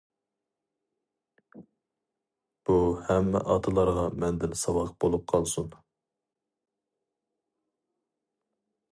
بۇ ھەممە ئاتىلارغا مەندىن ساۋاق بولۇپ قالسۇن.